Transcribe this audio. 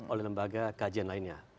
oleh lembaga kajian lain